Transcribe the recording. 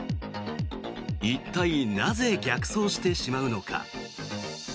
一体なぜ逆走してしまうのか。